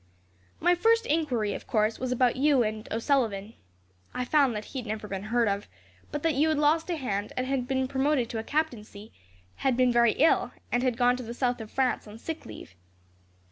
"My first enquiry, of course, was about you and O'Sullivan. I found that he had never been heard of, but that you had lost a hand, and had been promoted to a captaincy; had been very ill, and had gone to the south of France on sick leave.